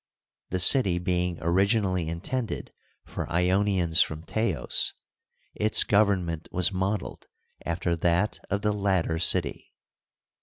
The city being originally intended for lonians from Teos, its government was modeled after that of the latter city.